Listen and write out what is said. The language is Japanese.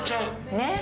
ねっ。